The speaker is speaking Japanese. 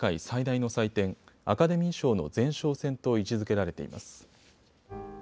最大の祭典、アカデミー賞の前哨戦と位置づけられています。